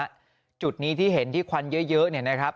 จุดนี้ที่เห็นที่ควันเยอะเนี่ยนะครับ